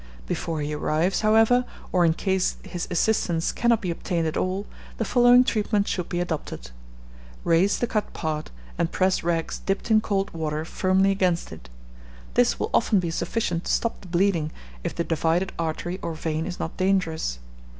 Before he arrives, however, or in case his assistance cannot be obtained at all, the following treatment should be adopted: Raise the cut part, and press rags dipped in cold water firmly against it. This will often be sufficient to stop the bleeding, if the divided artery or vein is not dangerous.